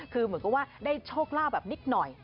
คือเหมือนกับว่าได้โชคลาภแบบนิดหน่อย